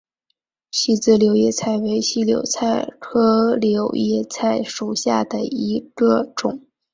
细籽柳叶菜为柳叶菜科柳叶菜属下的一个种。